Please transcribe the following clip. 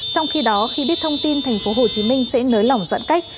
trong khi đó khi biết thông tin thành phố hồ chí minh sẽ nới lỏng dẫn cách